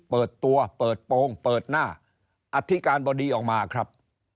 เปิดตัวเปิดโปรงเปิดหน้าอธิการบดีออกมาครับ